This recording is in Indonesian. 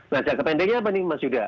nah jangka pendeknya apa nih mas yuda